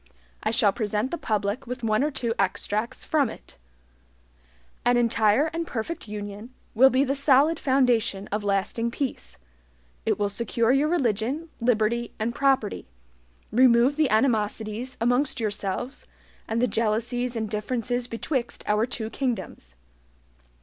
I shall present the public with one or two extracts from it: "An entire and perfect union will be the solid foundation of lasting peace: It will secure your religion, liberty, and property; remove the animosities amongst yourselves, and the jealousies and differences betwixt our two kingdoms.